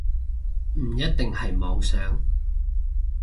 唔一定係妄想